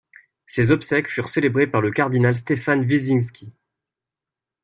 Ses obsèques furent célébrées par le cardinal Stefan Wyszyński.